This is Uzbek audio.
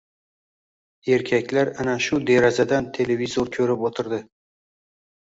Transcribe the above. Erkaklar ana shu derazadan televizor ko‘rib o‘tirdi.